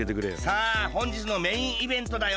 さあほんじつのメインイベントだよ！